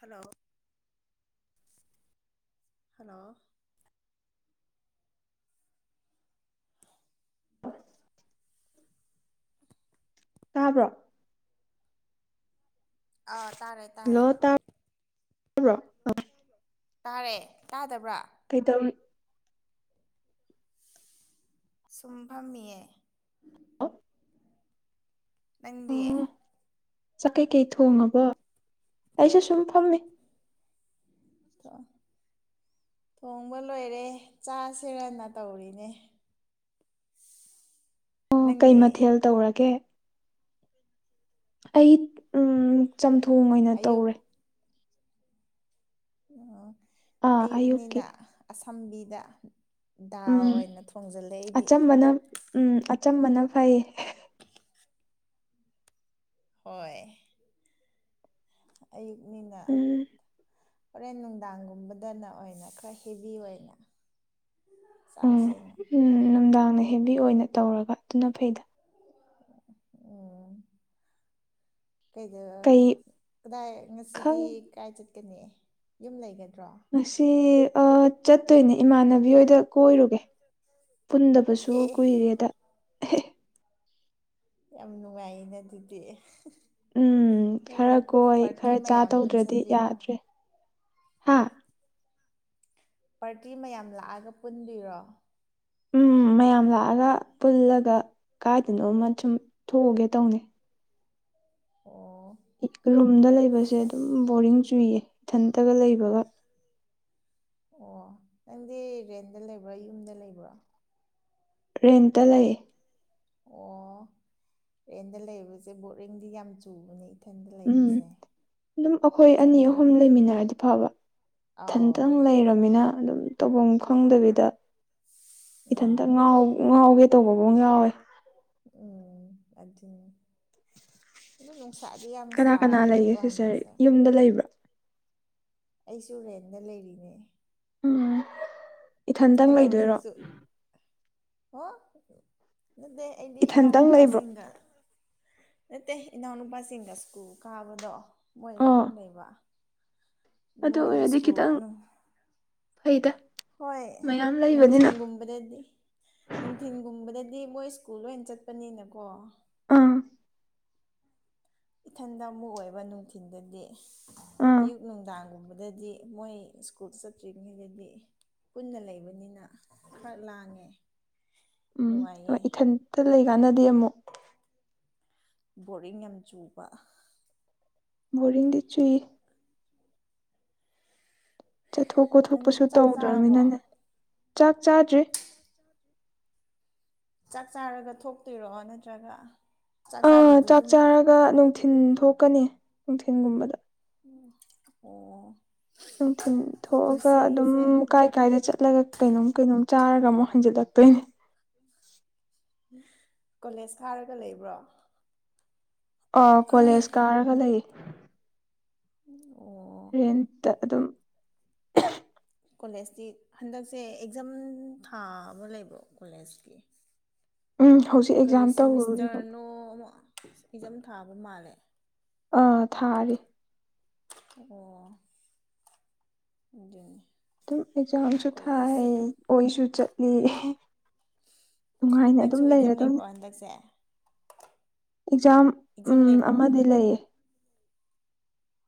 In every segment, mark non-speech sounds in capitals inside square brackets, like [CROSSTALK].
Hello hello [INAUDIBLE] ꯍ [INAUDIBLE] [INAUDIBLE] ꯇꯥꯕ꯭ꯔꯣ ꯑꯥ ꯇꯥꯔꯦ ꯇꯥꯔꯦ ꯍꯜꯂꯣ ꯇꯥ ꯇꯥꯕ꯭ꯔꯣ ꯇꯥꯔꯦ ꯇꯥꯗꯕ꯭ꯔꯥ ꯀꯩꯗꯧꯔꯤ ꯁꯨꯝ ꯐꯥꯝꯃꯤꯌꯦ ꯍꯜꯂꯣ ꯅꯪꯗꯤ ꯆꯥꯛ ꯀꯩꯀꯩ ꯊꯣꯡꯉꯕ ꯑꯩꯁꯨ ꯁꯨꯝ ꯐꯝꯃꯤ ꯊꯣꯡ ꯊꯣꯡꯕ ꯂꯣꯏꯔꯦ ꯆꯥ ꯁꯤꯔꯅ ꯇꯧꯔꯤꯅꯦ [INAUDIBLE] ꯑꯣ ꯀꯩ ꯅꯪꯗꯤ ꯃꯊꯦꯜ ꯇꯧꯔꯒꯦ ꯑꯩ ꯎꯝ ꯆꯥꯝꯊꯣꯡ ꯑꯣꯏꯅ ꯑꯌꯨꯛ ꯇꯧꯔꯦ ꯑꯥ ꯑꯌꯨꯛꯀꯤ ꯑꯌꯨꯛꯅꯤꯅ ꯑꯁꯝꯕꯤꯗ ꯗꯥꯎ ꯎꯝ ꯑꯣꯏꯅ ꯊꯣꯡꯖꯤꯜꯂꯦ ꯑꯩꯗꯤ ꯑꯆꯝꯕꯅ ꯎꯝ ꯑꯆꯝꯕꯅ ꯐꯩ ꯍꯣꯏ ꯑꯌꯨꯛꯅꯤꯅ ꯎꯝ ꯍꯣꯔꯦꯟ ꯅꯨꯡꯗꯥꯡꯒꯨꯝꯕꯗꯅ ꯑꯣꯏꯅ ꯈꯔ ꯍꯦꯚꯤ ꯑꯣꯏꯅ ꯎꯝ ꯆꯥꯁꯦꯅ ꯅꯨꯡꯗꯥꯡꯅ ꯍꯦꯕꯤ ꯑꯣꯏꯅ ꯇꯧꯔꯒ ꯑꯗꯨꯅ ꯐꯩꯗ ꯑꯣ ꯀꯩꯗ ꯀꯩ ꯀꯗꯥꯏ ꯉꯁꯤꯗꯤ ꯈꯪ ꯀꯥꯏ ꯆꯠꯀꯅꯤ ꯌꯨꯝ ꯂꯩꯒꯗ꯭ꯔꯣ ꯉꯁꯤ ꯆꯠꯇꯣꯏꯅꯦ ꯏꯃꯥꯟꯅꯕꯤ ꯍꯣꯏꯗ ꯀꯣꯏꯔꯨꯒꯦ ꯄꯨꯟꯗꯕꯁꯨ ꯑꯦ ꯀꯨꯏꯔꯦꯗ ꯌꯥꯝ ꯅꯨꯡꯉꯥꯏꯌꯦꯅ ꯑꯗꯨꯗꯤ ꯎꯝ ꯅꯣꯏ ꯈꯔ ꯀꯣꯏ ꯄꯥꯔꯇꯤ ꯈꯔ ꯆꯥ ꯃꯌꯥꯝ ꯇꯧꯗ꯭ꯔꯗꯤ ꯄꯨꯟꯁꯤꯟꯗꯣꯏꯔꯣ ꯌꯥꯗ꯭ꯔꯦ ꯍꯥ ꯄꯥꯔꯇꯤ ꯃꯌꯥꯝ ꯂꯥꯛꯑꯒ ꯄꯨꯟꯕꯤꯔꯣ ꯎꯝ ꯃꯌꯥꯝ ꯂꯥꯛꯑꯒ ꯄꯨꯜꯂꯒ ꯀꯥꯏꯗꯅꯣꯃ ꯁꯨꯝ ꯊꯣꯛꯎꯒꯦ ꯇꯧꯅꯦ ꯑꯣ ꯔꯨꯝꯗ ꯂꯩꯕꯁꯦ ꯑꯗꯨꯝ ꯕꯣꯔꯤꯡ ꯆꯨꯏꯌꯦ ꯏꯊꯟꯇꯒ ꯂꯩꯕꯒ ꯑꯣ ꯅꯪꯗꯤ ꯔꯦꯟꯗ ꯂꯩꯕ꯭ꯔꯣ ꯌꯨꯝꯗ ꯂꯩꯕ꯭ꯔꯣ ꯔꯦꯟꯇ ꯂꯩꯌꯦ ꯑꯣ ꯔꯦꯟꯗ ꯂꯩꯕꯁꯦ ꯕꯣꯔꯤꯡꯗꯤ ꯌꯥꯝ ꯆꯨꯕꯅꯦ ꯏꯊꯟꯗ ꯎꯝ ꯂꯩꯕꯁꯦ ꯑꯗꯨꯝ ꯑꯩꯈꯣꯏ ꯈꯪ ꯑꯅꯤ ꯑꯍꯨꯝ ꯂꯩꯃꯤꯟꯅꯔꯗꯤ ꯐꯕ ꯑꯥꯎ ꯏꯊꯟꯇꯪ ꯂꯩꯔꯕꯅꯤꯅ ꯑꯗꯨꯝ ꯇꯧꯐꯝ ꯈꯪꯗꯕꯤꯗ ꯏꯊꯟ ꯎꯝ ꯉꯥꯎ ꯉꯥꯎꯒꯦ ꯇꯧꯕ ꯑꯃꯨꯛ ꯌꯥꯎꯋꯦ ꯎꯝ ꯑꯗꯨꯅꯤ ꯑꯗꯨ ꯅꯨꯡꯁꯥꯗꯤ ꯌꯥꯝ ꯀꯅꯥ ꯀꯅꯥ ꯂꯩꯒꯦ ꯁꯥꯕꯅꯦꯀꯣ ꯁꯤꯁꯇꯔ ꯍꯟꯗꯛꯁꯦ ꯌꯨꯝꯗ ꯂꯩꯕ꯭ꯔꯥ ꯑꯩꯁꯨ ꯔꯦꯟꯗ ꯂꯩꯔꯤꯅꯦ ꯎꯝ ꯏꯊꯟꯇꯪ ꯏꯊꯟꯗ ꯂꯩꯗꯣꯏꯔꯣ ꯍꯧꯖꯤꯛꯁꯨ ꯑꯣ ꯅꯠꯇꯦ ꯑꯩꯗꯤ ꯏꯊꯟꯇꯪ ꯂꯩꯕ꯭ꯔꯣ ꯏꯅꯥꯎꯅꯨꯄꯥꯁꯤꯡꯒ ꯅꯠꯇꯦ ꯏꯅꯥꯎꯅꯨꯄꯥꯁꯤꯡꯒ ꯁ꯭ꯀꯨꯜ ꯀꯥꯕꯗꯣ ꯃꯣꯏꯒ ꯑꯣ ꯑꯗꯨꯝ ꯂꯩꯕ ꯑꯗꯨ ꯃꯣꯏꯗꯤ ꯑꯣꯏꯔꯗꯤ ꯁ꯭ꯀꯨꯜ ꯈꯤꯇꯪ ꯐꯩꯗ ꯍꯣꯏ ꯃꯌꯥꯝ ꯂꯩꯕꯅꯤꯅ ꯅꯨꯡꯊꯤꯟꯒꯨꯝꯕꯗꯗꯤ ꯅꯨꯡꯊꯤꯟꯒꯨꯝꯕꯗꯗꯤ ꯃꯣꯏ ꯁ꯭ꯀꯨꯜ ꯂꯣꯏꯅ ꯆꯠꯄꯅꯤꯅꯀꯣ ꯎꯝ ꯏꯊꯟꯗ ꯑꯃꯨꯛ ꯑꯣꯏꯕ ꯅꯨꯡꯊꯤꯜꯗꯗꯤ ꯑꯥ ꯑꯌꯨꯛ ꯅꯨꯡꯗꯥꯡꯒꯨꯝꯕꯗꯗꯤ ꯃꯣꯏ ꯁ꯭ꯀꯨꯜ ꯆꯠꯇ꯭ꯔꯤꯉꯩꯗꯗꯤ ꯄꯨꯟꯅ ꯂꯩꯕꯅꯤꯅ ꯈꯔ ꯂꯥꯡꯉꯦ ꯎꯝ ꯅꯨꯡꯉꯥꯏꯌꯦ ꯍꯣꯏ ꯏꯊꯟꯇ ꯂꯩꯀꯥꯟꯗꯗꯤ ꯑꯃꯨꯛ ꯕꯣꯔꯤꯡ ꯌꯥꯝ ꯆꯨꯕ ꯕꯣꯔꯤꯡꯗꯤ ꯆꯨꯏ ꯆꯠꯊꯣꯛ ꯅꯪ ꯀꯣꯠꯊꯣꯛꯄꯁꯨ ꯆꯥꯛ ꯆꯥꯔꯕꯣ ꯇꯧꯗ꯭ꯔꯝꯅꯤꯅꯅꯦ ꯆꯥꯛ ꯆꯥꯗ꯭ꯔꯤ ꯆꯥꯛ ꯆꯥꯔꯒ ꯊꯣꯛꯇꯣꯏꯔꯣ ꯅꯠꯇ꯭ꯔꯒ ꯆꯥꯛ ꯑꯥ ꯆꯥꯗꯕꯤ ꯆꯥꯛ ꯑꯗꯨꯝ ꯆꯥꯔꯒ ꯅꯨꯡꯊꯤꯟ ꯊꯣꯛꯀꯅꯤ ꯅꯨꯡꯊꯤꯟꯒꯨꯝꯕꯗ ꯎ ꯑꯣ ꯅꯨꯡꯊꯤꯟ ꯊꯣꯛꯑꯒ ꯑꯗꯨꯝ ꯉꯁꯤꯁꯦ ꯀꯥꯏ ꯀꯥꯏꯗ ꯆꯠꯂꯒ ꯀꯩꯅꯣꯝ ꯀꯩꯅꯣꯝ ꯆꯥꯔꯒ ꯑꯃꯨꯛ ꯍꯟꯖꯤꯜꯂꯛꯇꯣꯏꯅꯤ ꯀꯣꯂꯦꯖ ꯀꯥꯔꯒ ꯂꯩꯕ꯭ꯔꯣ ꯑ ꯀꯣꯂꯦꯖ ꯀꯥꯔꯒ ꯂꯩꯌꯦ ꯑꯣ ꯔꯦꯟꯇ ꯑꯗꯨꯝ ꯀꯣꯂꯦꯖꯇꯤ ꯍꯟꯗꯛꯁꯦ ꯑꯦꯛꯖꯥꯝ ꯊꯥ ꯑꯃ ꯂꯩꯕ꯭ꯔꯣ ꯀꯣꯂꯦꯖꯀꯤ ꯎꯝ ꯍꯧꯖꯤꯛ ꯀꯔꯤ ꯑꯦꯛꯖꯥꯝ ꯇꯧꯔꯤꯕ ꯁꯤꯃꯤꯁꯇꯔꯅꯣ ꯑꯃꯨꯛ ꯑꯦꯖꯝ ꯊꯥꯕ ꯃꯥꯜꯂꯦ ꯑꯥ ꯊꯥꯔꯤ ꯑꯣ ꯑꯗꯨꯅꯤ ꯑꯗꯨꯝ ꯑꯦꯛꯖꯥꯝꯁꯨ ꯊꯥꯏ ꯀꯣꯂꯦꯖꯁꯨ ꯑꯣꯏꯁꯨ ꯆꯠꯂꯤ ꯅꯨꯡꯉꯥꯏꯅ ꯑꯗꯨꯝ ꯅꯪꯁꯨ ꯑꯦꯛꯖꯥꯝ ꯂꯩꯔꯗꯣꯏꯅꯦ ꯂꯩꯕ꯭ꯔꯣ ꯍꯟꯗꯛꯁꯦ ꯑꯦꯛꯖꯥꯝ ꯑꯦꯛꯖꯥꯝ ꯑꯝ ꯂꯩꯕ꯭ꯔꯣ ꯑꯃꯗꯤ ꯂꯩꯌꯦ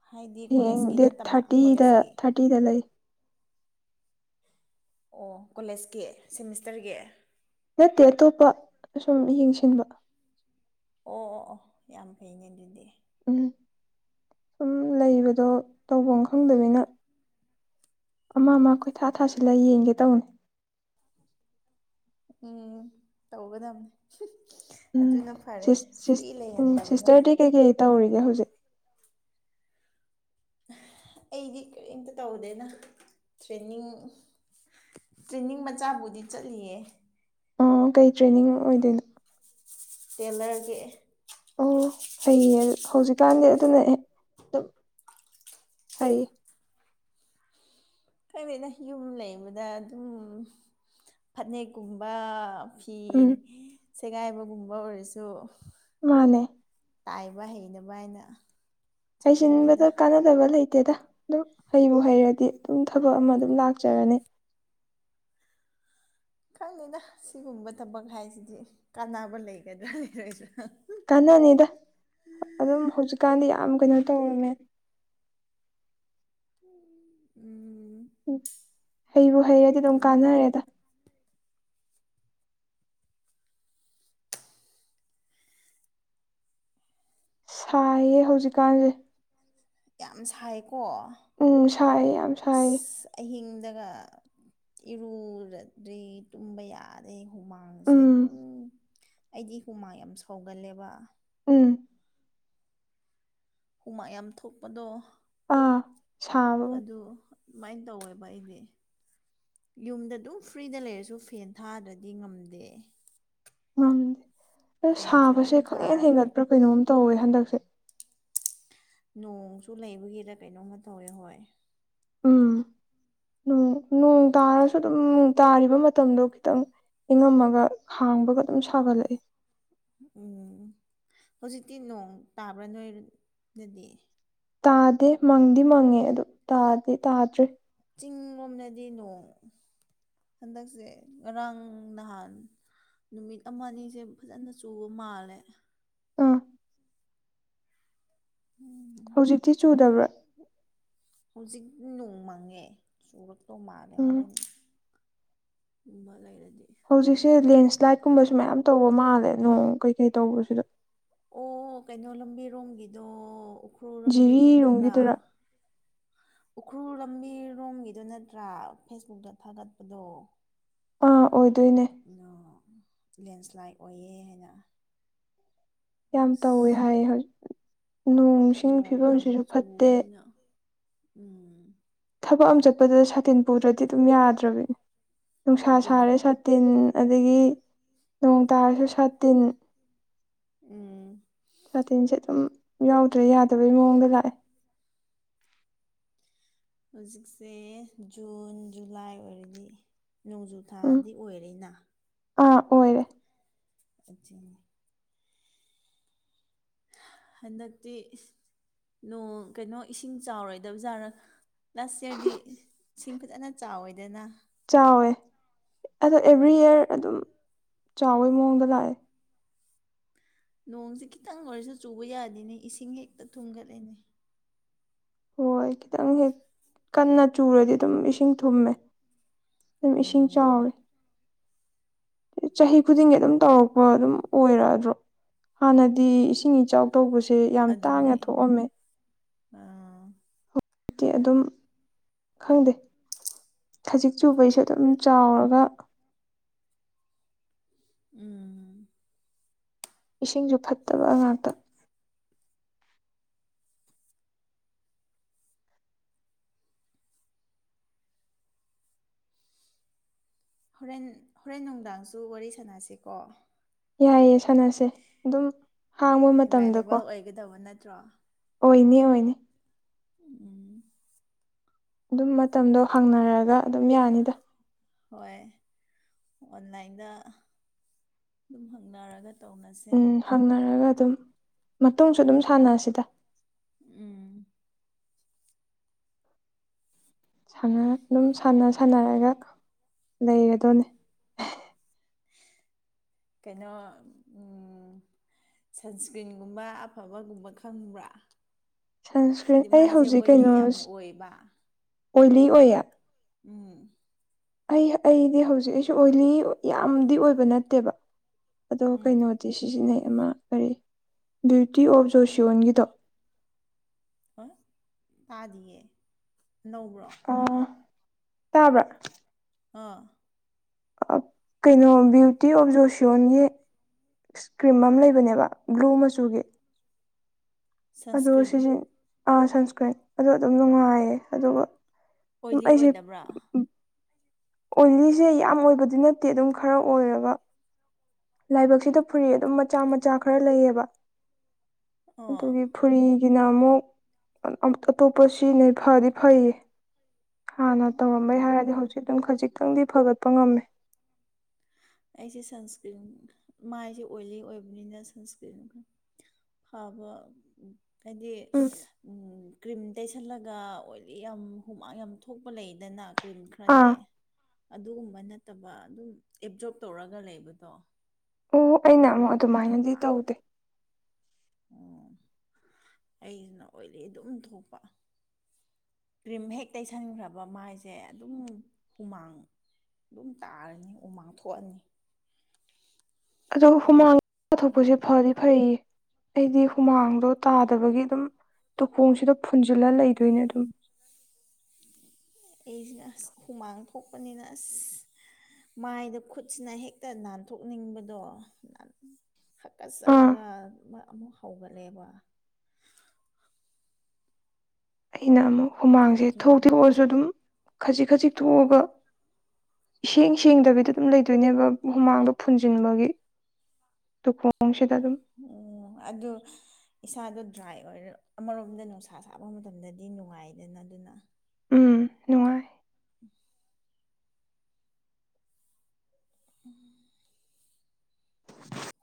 ꯍꯥꯏꯗꯤ ꯍꯌꯦꯡ ꯀꯣꯂꯦꯖꯀꯤ ꯗꯦꯠ ꯅꯠꯇꯕ ꯊꯥꯔꯇꯤꯗ ꯀꯣꯂꯦꯖꯀꯤ ꯊꯥꯔꯇꯤꯗ ꯂꯩ ꯑꯣ ꯀꯣꯂꯦꯖꯀꯤ ꯁꯦꯃꯤꯁꯇꯔꯒꯤ ꯅꯠꯇꯦ ꯑꯇꯣꯞꯄ ꯁꯨꯝ ꯌꯦꯡꯁꯤꯟꯕ ꯑꯣ ꯑꯣ ꯑꯣ ꯌꯥꯝ ꯐꯩꯅꯦ ꯑꯗꯨꯗꯤ ꯎꯝ ꯁꯨꯝ ꯂꯩꯕꯗꯣ ꯇꯧꯕꯝ ꯈꯪꯗꯅꯤꯅ ꯑꯃ ꯑꯃ ꯀꯣꯏꯊꯥ ꯊꯥꯁꯤꯜꯂ ꯌꯦꯡꯒꯦ ꯇꯧꯅꯤ ꯎꯝ ꯇꯧꯒꯗꯝꯅꯤ ꯎꯝ ꯁꯤꯁ ꯐ꯭ꯔꯤ ꯁꯤꯁ ꯎꯝ ꯂꯩꯍꯟꯗꯕꯅ ꯁꯤꯁꯇꯔꯗꯤ ꯀꯩꯀꯩ ꯇꯧꯔꯤꯒꯦ ꯍꯧꯖꯤꯛ ꯑꯩꯗꯤ ꯀꯔꯤꯝꯇ ꯇꯧꯗꯦꯅ ꯇ꯭ꯔꯦꯟꯅꯤꯡ꯫ ꯇ꯭ꯔꯦꯅꯤꯡ ꯃꯆꯥꯕꯨꯗꯤ ꯆꯠꯂꯤꯌꯦ꯫ ꯎꯝ ꯀꯩ ꯇ꯭ꯔꯦꯅꯤꯡ ꯑꯣꯏꯗꯣꯏꯅꯣ꯫ ꯇꯦꯂꯔꯒꯤ꯫ ꯑꯣ ꯐꯩꯌꯦ ꯍꯧꯖꯤꯛꯀꯥꯟꯗꯤ ꯑꯗꯨꯅ ꯑꯗꯨꯝ ꯐꯩꯌꯦ꯫ ꯀꯩꯅꯅ ꯌꯨꯝ ꯂꯩꯕꯗ ꯑꯗꯨꯝ ꯐꯅꯦꯛꯀꯨꯝꯕ꯫ ꯐꯤ ꯎꯝ ꯁꯦꯒꯥꯏꯕꯒꯨꯝꯕ ꯑꯣꯏꯔꯁꯨ꯫ ꯃꯥꯅꯦ꯫ ꯇꯥꯏꯕ ꯍꯩꯅꯕ ꯍꯥꯏꯅ꯫ ꯆꯠꯂꯤꯅꯤꯗ ꯍꯩꯁꯤꯟꯕꯗ ꯀꯥꯟꯅ ꯗꯕ ꯂꯩꯇꯦꯗ ꯑꯗꯨꯝ ꯍꯩꯕꯨ ꯍꯩꯔꯗꯤ ꯑꯗꯨꯝ ꯊꯕꯛ ꯑꯃ ꯑꯗꯨꯝ ꯂꯥꯛꯆꯔꯅꯤ꯫ ꯈꯪꯗꯦꯗ ꯁꯤꯒꯨꯝꯕ ꯊꯕꯛ ꯍꯥꯏꯁꯤꯗꯤ ꯀꯥꯟꯅꯕ ꯂꯩꯒꯗ꯭ꯔꯥ ꯂꯩꯔꯣꯏꯗ꯭ꯔ ꯀꯥꯟꯅꯅꯤꯗ ꯑꯗꯨꯝ ꯍꯧꯖꯤꯛꯀꯥꯟꯗꯤ ꯌꯥꯝ ꯀꯩꯅꯣ ꯎꯝ ꯇꯧꯔꯝꯃꯦ꯫ ꯎꯝ꯫ ꯎꯝ ꯍꯩꯕꯨ ꯍꯩꯔꯗꯤ ꯑꯗꯨꯝ ꯀꯥꯟꯅꯔꯦꯗ꯫ ꯁꯥꯏꯌꯦ ꯍꯧꯖꯤꯛꯀꯥꯟꯁꯦ꯫ ꯌꯥꯝ ꯁꯥꯏꯀꯣ꯫ ꯎꯝ ꯁꯥꯏ ꯌꯥꯝ ꯁꯥꯏ꯫ ꯑꯁ ꯑꯍꯤꯡꯗꯒ ꯏꯔꯨꯨꯗ꯭ꯔꯗꯤ ꯇꯨꯝꯕ ꯌꯥꯗꯦ ꯍꯨꯃꯥꯡ ꯍꯨꯃꯥꯡꯁꯦ ꯎꯝ ꯑꯗꯨꯝ ꯑꯩꯗꯤ ꯍꯨꯃꯥꯡ ꯌꯥꯝ ꯁꯧꯒꯜꯂꯦꯕ꯫ ꯎꯝ꯫ ꯍꯨꯃꯥꯡ ꯌꯥꯝ ꯊꯣꯛꯄꯗꯣ ꯑꯥ ꯁꯥꯕ ꯑꯗꯨ꯫ ꯑꯗꯨꯃꯥꯏꯅ ꯇꯧꯋꯦꯕ ꯑꯩꯗꯤ꯫ ꯌꯨꯝꯗ ꯑꯗꯨꯝ ꯐ꯭ꯔꯤꯗ ꯂꯩꯔꯁꯨ ꯐꯦꯟ ꯊꯥꯗ꯭ꯔꯗꯤ ꯉꯝꯗꯦ꯫ ꯉꯝꯗꯦ ꯑꯝ ꯐꯦꯟꯁꯨ ꯑꯗꯨꯝ ꯁꯥꯕꯁꯦ ꯈꯪꯍꯦꯟ ꯊꯥꯔꯒ ꯂꯩꯕ ꯍꯦꯟꯒꯠꯄ꯭ꯔꯥ ꯀꯩꯅꯣꯝ ꯇꯧꯋꯦ ꯍꯟꯗꯛꯁꯦ꯫ ꯅꯣꯡꯁꯨ ꯂꯩꯕꯒꯤꯔ ꯀꯩꯅꯣꯝꯃ ꯇꯧꯋꯦ ꯍꯣꯏ꯫ ꯎꯝ [INAUDIBLE] ꯅꯣꯡ ꯇꯥꯔꯁꯨ ꯑꯗꯨꯝ ꯇꯥꯔꯤꯕ ꯃꯇꯝꯗꯣ ꯈꯤꯇꯪ꯫ ꯏꯉꯝꯃꯒ ꯍꯥꯡꯕꯒ ꯑꯗꯨꯝ ꯁꯥꯒꯠꯂꯛꯑꯦ꯫ ꯎꯝ ꯍꯧꯖꯤꯛꯇꯤ ꯅꯣꯡ ꯇꯥꯕ꯭ꯔꯥ ꯅꯣꯏꯗꯗꯤ꯫ ꯇꯥꯗꯦ ꯃꯪꯗꯤ ꯃꯪꯉꯦ ꯑꯗꯨ ꯇꯥꯗꯤ ꯇꯥꯗ꯭ꯔꯤ꯫ ꯆꯤꯡꯂꯣꯝꯗꯗꯤ ꯅꯣꯡ ꯍꯟꯗꯛꯁꯦ ꯉꯔꯥꯡ ꯅꯍꯥꯟ꯫ ꯅꯨꯃꯤꯠ ꯑꯃ ꯑꯅꯤꯁꯦ ꯐꯖꯅ ꯆꯨꯕ ꯃꯥꯜꯂꯦ꯫ ꯑꯥ ꯎꯝ꯫ ꯍꯧꯖꯤꯛꯇꯤ ꯆꯨꯗꯕ꯭ꯔꯥ꯫ ꯍꯧꯖꯤꯛ ꯅꯣꯡ ꯃꯪꯉꯦ ꯆꯨꯔꯛꯇꯧ ꯃꯥꯜꯂꯦ ꯎꯝ ꯍꯣꯔꯦꯟ꯫ ꯎꯕ ꯂꯩꯔꯗꯤ꯫ ꯍꯧꯖꯤꯛꯁꯦ ꯂꯦꯟꯁ꯭ꯂꯥꯏꯠ ꯀꯨꯝꯕꯁꯨ ꯃꯌꯥꯝ ꯇꯧꯕ ꯃꯥꯜꯂꯦ ꯅꯣꯡ ꯀꯩꯀꯩ ꯇꯧꯕꯁꯤꯗ꯫ ꯑꯣ ꯀꯩꯅꯣ ꯂꯝꯕꯤꯔꯣꯝꯒꯤꯗꯣ ꯎꯈ꯭ꯔꯨꯜ ꯂꯝꯕꯤꯔꯣꯝ ꯍꯥꯏꯕ꯭ꯔꯥ꯫ ꯖꯤꯔꯤꯔꯣꯝꯒꯤꯗꯨꯔ ꯎꯈ꯭ꯔꯨꯜ ꯂꯝꯕꯤꯔꯣꯝꯒꯤꯗꯨ ꯅꯠꯇ꯭ꯔꯥ ꯐꯦꯁꯕꯨꯛꯇ ꯊꯥꯒꯠꯄꯗꯣ꯫ ꯑꯥ ꯑꯣꯏꯗꯣꯏꯅꯦ꯫ ꯑ ꯂꯦꯟꯁ꯭ꯂꯥꯏꯠ ꯑꯣꯏꯌꯦ ꯍꯥꯏꯕ꯫ ꯌꯥꯝ ꯇꯧꯋꯦ ꯍꯥꯏ ꯍꯧꯖꯤꯛ ꯅꯣꯡ ꯁꯤꯡꯒꯤ ꯅꯣꯡ ꯌꯥꯝ ꯐꯤꯕꯝꯁꯤꯁꯨ ꯐꯠꯇꯦ꯫ ꯆꯨꯕꯅꯤꯅ ꯎꯝ꯫ ꯊꯕꯛ ꯑꯃ ꯆꯠꯄꯗ ꯁꯥꯇꯤꯟ ꯄꯨꯗ꯭ꯔꯗꯤ ꯑꯗꯨꯝ ꯌꯥꯗ꯭ꯔꯕꯅꯦ ꯅꯨꯡꯁꯥ ꯑꯗꯨꯅꯤ ꯁꯥꯔꯦ ꯁꯥ ꯁꯥꯇꯤꯟ ꯑꯗꯒꯤ ꯅꯣꯡ ꯇꯥꯔꯁꯨ ꯁꯥ ꯇꯤꯟ ꯎꯝ ꯁꯥꯇꯤꯟꯁꯦ ꯑꯗꯨꯝ ꯌꯥꯎꯗ꯭ꯔꯗꯤ ꯌꯥꯗꯕꯩ ꯃꯑꯣꯡꯗ ꯂꯥꯛꯑꯦ ꯍꯧꯖꯤꯛꯁꯦ ꯖꯨꯟ ꯖꯨꯂꯥꯏ ꯑꯣꯏꯔꯗꯤ ꯅꯣꯡꯖꯨ ꯎꯝ ꯊꯥꯗꯤ ꯑꯣꯏꯔꯤꯅ ꯑꯥ ꯑꯣꯏꯔꯦ ꯑꯗꯨꯅꯦ ꯍꯟꯗꯛꯇꯤ ꯅꯣꯡ ꯀꯩꯅꯣ ꯏꯁꯤꯡ ꯆꯥꯎꯔꯣꯏꯗꯕ ꯖꯥꯠꯂ ꯂꯥꯁ ꯏꯌꯥꯔꯗꯤ ꯏꯁꯤꯡ ꯐꯖꯅ ꯆꯥꯎꯋꯦꯗꯅ ꯆꯥꯎꯋꯦ ꯑꯗꯣ ꯑꯦꯚ꯭ꯔꯤ ꯏꯌꯥꯔ ꯑꯗꯨꯝ ꯆꯥꯎꯕꯩ ꯃꯑꯣꯡꯗ ꯂꯥꯛꯑꯦ ꯅꯣꯡꯁꯦ ꯈꯤꯇꯪ ꯑꯣꯏꯔꯁꯨ ꯆꯨꯕ ꯌꯥꯗꯦꯅꯦ ꯏꯁꯤꯡ ꯍꯦꯛꯇ ꯊꯨꯝꯒꯠꯂꯦꯅꯦ ꯍꯣꯏ ꯈꯤꯇꯪ ꯍꯦꯛ ꯀꯟꯅ ꯆꯨꯔꯗꯤ ꯑꯗꯨꯝ ꯏꯁꯤꯡ ꯊꯨꯝꯃꯦ ꯑꯗꯨꯝ ꯏꯁꯤꯡ ꯎꯝ ꯆꯥꯎꯋꯦ ꯆꯍꯤ ꯈꯨꯗꯤꯡꯒꯤ ꯑꯗꯨꯝ ꯇꯧꯔꯛꯄ ꯑꯗꯨꯝ ꯑꯣꯏꯔꯛꯗ꯭ꯔꯣ ꯍꯥꯟꯅꯗꯤ ꯏꯁꯤꯡ ꯏꯆꯥꯎ ꯇꯧꯕꯁꯦ ꯌꯥꯝ ꯇꯥꯡꯅ ꯑꯗꯨꯅꯦ ꯊꯣꯛꯑꯝꯃꯦ ꯑꯥ ꯍꯧꯖꯤꯛꯇꯤ ꯑꯗꯨꯝ ꯈꯪꯗꯦ ꯈꯖꯤꯛ ꯆꯨꯕꯩꯁꯨ ꯑꯗꯨꯝ ꯆꯥꯎꯔꯒ ꯎꯝ ꯏꯁꯤꯡꯁꯨ ꯐꯠꯇꯕ ꯉꯥꯛꯇ ꯍꯣꯔꯦꯟ ꯍꯣꯔꯦꯟ ꯅꯨꯡꯗꯥꯡꯁꯨ ꯋꯥꯔꯤ ꯁꯥꯟꯅꯁꯤꯀꯣ ꯌꯥꯏꯑꯦ ꯁꯥꯟꯅꯁꯦ ꯑꯗꯨꯝ ꯍꯥꯡꯕ ꯃꯇꯝꯗꯀꯣ ꯑꯦꯕꯥꯏꯂꯦꯕꯜ ꯑꯣꯏꯒꯗꯕ ꯅꯠꯇ꯭ꯔꯣ ꯑꯣꯏꯅꯤ ꯑꯣꯏꯅꯤ ꯎꯝ ꯑꯗꯨꯝ ꯃꯇꯝꯗꯣ ꯍꯪꯅꯔꯒ ꯑꯗꯨꯝ ꯌꯥꯅꯤꯗ ꯍꯣꯏ ꯑꯣꯟꯂꯥꯏꯟꯗ ꯑꯗꯨꯝ ꯍꯪꯅꯔꯒ ꯇꯧꯅꯁꯦ ꯎꯝ ꯍꯪꯅꯔꯒ ꯑꯗꯨꯝ ꯃꯇꯨꯡꯁꯨ ꯑꯗꯨꯝ ꯁꯥꯟꯅꯁꯤꯗ ꯎꯝ ꯍꯪꯅꯔꯒ ꯑꯗꯨꯝ ꯁꯥꯟꯅ ꯁꯥꯟꯅꯔꯒ ꯂꯩꯔꯗꯧꯅꯦ ꯀꯩꯅꯣ ꯎꯝ ꯁꯟꯁ꯭ꯀ꯭ꯔꯤꯟꯒꯨꯝꯕ ꯑꯐꯕꯒꯨꯝꯕ ꯈꯪꯕ꯭ꯔꯥ ꯁꯟꯁꯀ꯭ꯔꯤꯟ ꯍꯥꯏꯗꯤ ꯑꯩ ꯃꯥꯏꯁꯦ ꯍꯧꯖꯤꯛ ꯑꯣꯏꯂꯤ ꯀꯩꯅꯣ ꯌꯥꯝ ꯑꯣꯏꯌꯦꯕ ꯑꯣꯏꯂꯤ ꯑꯣꯏꯌꯦ ꯎꯝ ꯑꯩ ꯑꯩꯗꯤ ꯍꯧꯖꯤꯛ ꯑꯩꯁꯨ ꯑꯣꯏꯂꯤ ꯌꯥꯝꯗꯤ ꯑꯣꯏꯕ ꯅꯠꯇꯦꯕ ꯑꯗꯣ ꯎꯝ ꯀꯩꯅꯣ ꯑꯗꯨ ꯁꯤꯖꯤꯟꯅꯩ ꯑꯃ ꯀꯔꯤ ꯕ꯭ꯌꯨꯇꯤ ꯑꯣꯐ ꯖꯣꯁꯤꯌꯣꯟꯒꯤꯗꯣ ꯍꯣꯏ ꯇꯥꯗꯦꯌꯦ ꯅꯧꯕ꯭ꯔꯣ ꯑꯥ ꯇꯥꯕ꯭ꯔꯥ ꯑꯥ ꯀꯩꯅꯣ ꯕ꯭ꯌꯨꯇꯤ ꯑꯣꯐ ꯖꯣꯁꯤꯌꯣꯟꯒꯤ ꯀ꯭ꯔꯤꯝ ꯑꯃ ꯂꯩꯕꯅꯦꯕ ꯄ꯭ꯂꯨ ꯃꯆꯨꯒꯤ ꯑꯗꯨ ꯁꯟꯁꯀ꯭ꯔꯤꯟ ꯁꯤꯖꯤꯟ ꯁꯟꯁꯀ꯭ꯔꯤꯟ ꯑꯗꯨꯗ ꯑꯗꯨꯝ ꯅꯨꯡꯉꯥꯏꯌꯦ ꯑꯗꯨꯒ ꯑꯝ ꯑꯣꯏꯂꯤ ꯑꯩꯁꯦ ꯑꯣꯏꯗꯕ꯭ꯔꯥ ꯎ ꯑꯣꯏꯂꯤꯁꯦ ꯌꯥꯝ ꯑꯣꯏꯕꯗꯤ ꯅꯠꯇꯦ ꯑꯗꯨꯝ ꯈꯔ ꯑꯣꯏꯔꯒ ꯂꯥꯏꯕꯛꯁꯤꯗ ꯐꯨꯔꯤ ꯑꯗꯨꯝ ꯃꯆꯥ ꯃꯆꯥ ꯈꯔ ꯂꯩꯌꯦꯕ ꯑꯥ ꯑꯣ ꯑꯗꯨꯒꯤ ꯐꯨꯔꯤꯒꯤꯅ ꯑꯃꯨꯛ ꯑꯇꯣꯞꯄ ꯁꯤꯖꯤꯟꯅꯩ ꯐꯗꯤ ꯐꯩꯌꯦ ꯍꯥꯟꯅ ꯇꯧꯔꯝꯕꯩ ꯍꯥꯏꯔꯗꯤ ꯍꯧꯖꯤꯛ ꯑꯗꯨꯝ ꯈꯖꯤꯛꯇꯪꯗꯤ ꯐꯒꯠꯄ ꯉꯝꯃꯦ ꯑꯩꯁꯦ ꯁꯟꯁꯀ꯭ꯔꯤꯟ ꯃꯥꯏꯁꯦ ꯑꯣꯏꯂꯤ ꯑꯣꯏꯕꯅꯤꯅ ꯁꯟꯁꯀ꯭ꯔꯤꯟ ꯐꯕ ꯍꯥꯏꯗꯤ ꯎꯝ ꯎꯝ ꯀ꯭ꯔꯤꯝ ꯇꯩꯁꯜꯂꯒ ꯑꯣꯏꯂꯤ ꯌꯥꯝ ꯍꯨꯃꯥꯡ ꯌꯥꯝ ꯊꯣꯛꯄ ꯂꯩꯗꯅ ꯀ꯭ꯔꯤꯝ ꯈꯔꯗꯤ ꯑꯥ ꯑꯗꯨꯒꯨꯝꯕ ꯅꯠꯇꯕ ꯑꯗꯨꯝ ꯑꯦꯞꯖꯣꯞ ꯇꯧꯔꯒ ꯂꯩꯕꯗꯣ ꯑꯣ ꯑꯩꯅ ꯑꯃꯨꯛ ꯑꯗꯨꯒꯨꯝꯕꯗꯣ ꯑꯗꯨꯃꯥꯏꯅꯗꯤ ꯇꯧꯗꯦ ꯑꯣ ꯑꯩꯅ ꯑꯣꯏꯂꯤ ꯑꯗꯨꯝ ꯊꯣꯛꯄ ꯀ꯭ꯔꯤꯝ ꯍꯦꯛ ꯇꯩꯁꯟꯈ꯭ꯔꯕ ꯃꯥꯏꯁꯦ ꯑꯗꯨꯝ ꯍꯨꯃꯥꯡ ꯑꯗꯨꯝ ꯇꯥꯔꯅꯤ ꯎꯃꯥꯡꯊꯣꯛꯑꯅꯤ ꯑꯗꯣ ꯍꯨꯃꯥꯡ ꯊꯣꯛꯄꯁꯦ ꯑꯗꯨꯅ ꯐꯗꯤ ꯐꯩꯌꯦ ꯑꯩꯗꯤ ꯍꯨꯃꯥꯡꯗꯣ ꯇꯥꯗꯕꯒꯤ ꯑꯗꯨꯝ ꯇꯨꯈꯣꯡꯁꯤꯗ ꯐꯨꯟꯖꯤꯜꯂ ꯂꯩꯗꯣꯏꯅꯦ ꯑꯗꯨꯝ ꯑꯩꯁꯤꯅ ꯑꯁ ꯍꯨꯃꯥꯡ ꯊꯣꯛꯄꯅꯤꯅ ꯑꯁ ꯃꯥꯏꯗ ꯈꯨꯠꯁꯤꯅ ꯍꯦꯛꯇ ꯅꯥꯟꯊꯣꯛꯅꯤꯡꯕꯗꯣ ꯅꯥꯟ ꯑꯥ ꯍꯛꯀꯠꯆꯔꯒ ꯑꯃ ꯑꯃꯨꯛ ꯍꯧꯒꯠꯂꯦꯕ ꯑꯩꯅ ꯑꯃꯨꯛ ꯍꯨꯃꯥꯡꯁꯦ ꯊꯣꯛꯇꯤ ꯑꯗꯨꯒꯤꯅꯤ ꯊꯣꯛꯑꯁꯨ ꯑꯗꯨꯝ ꯈꯖꯤꯛ ꯈꯖꯤꯛ ꯊꯣꯛꯑꯒ ꯏꯁꯦꯡ ꯁꯦꯡꯗꯕꯤꯗ ꯑꯗꯨꯝ ꯂꯩ ꯗꯨꯅꯦꯕ ꯍꯨꯃꯥꯡꯗꯣ ꯐꯨꯟꯖꯤꯟꯕꯒꯤ ꯇꯨꯈꯣꯡꯁꯤꯗ ꯑꯗꯨꯝ ꯑꯣ ꯑꯗꯨ ꯏꯁꯥꯗꯣ ꯗ꯭ꯔꯥꯏ ꯑꯣꯏꯔꯒ ꯑꯃꯔꯣꯝꯗ ꯅꯨꯡꯁꯥ ꯁꯥꯕ ꯃꯇꯝꯗꯗꯤ ꯅꯨꯡꯉꯥꯏꯗꯅ ꯑꯗꯨꯅ ꯎꯝ ꯅꯨꯡꯉꯥꯏ ꯎꯝ [UNINTELLIGIBLE]